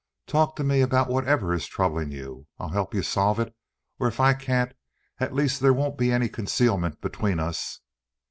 Talk to me about whatever is troubling you. I'll help you solve it, or, if I can't, at least there won't be any concealment between us."